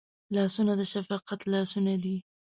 لاسونه د شفقت لاسونه دي